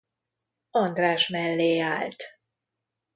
András mellé állt.